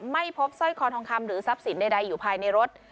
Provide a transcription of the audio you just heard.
ไม่พบสร้อยคอทองคำหรือทรัพย์สินใดอยู่ภายในรถ